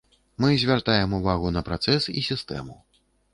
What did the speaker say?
Мы звяртаем увагу на працэс і сістэму.